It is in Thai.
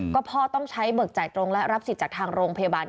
ก็พ่อต้องใช้เบิกจ่ายตรงและรับสิทธิ์จากทางโรงพยาบาล